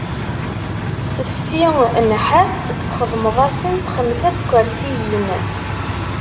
Sefsi nnḥas txedmeḍ-asent xemsa n tkersiyin.